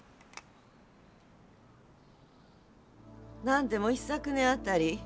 なんでも一昨年あたり